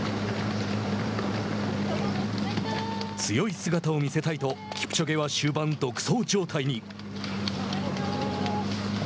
強い姿を見せたいとキプチョゲは終盤独走状態に。